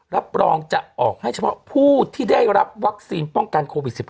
รับรองจะออกให้เฉพาะผู้ที่ได้รับวัคซีนป้องกันโควิด๑๙